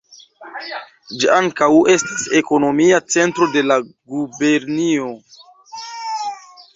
Ĝi ankaŭ estas ekonomia centro de la gubernio.